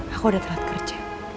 aku udah telat kerja